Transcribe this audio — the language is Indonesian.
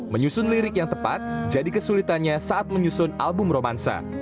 menyusun lirik yang tepat jadi kesulitannya saat menyusun album romansa